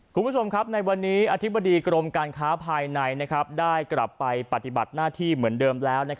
คุณผู้ชมครับในวันนี้อธิบดีกรมการค้าภายในได้กลับไปปฏิบัติหน้าที่เหมือนเดิมแล้ว